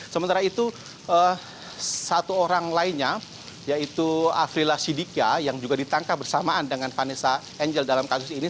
sementara itu satu orang lainnya yaitu afrila sidikya yang juga ditangkap bersamaan dengan vanessa angel dalam kasus ini